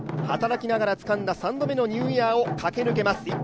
働きながらつかんだ３度目のニューイヤーを駆け抜けます。